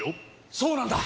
そうなんだ！